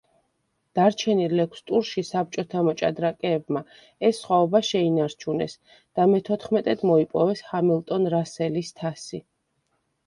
დარჩენილ ექვს ტურში საბჭოთა მოჭადრაკეებმა ეს სხვაობა შეინარჩუნეს და მეთოთხმეტედ მოიპოვეს ჰამილტონ-რასელის თასი.